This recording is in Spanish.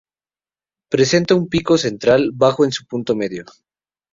Presenta un pico central bajo en su punto medio.